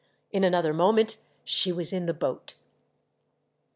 In another moment she was in the boat.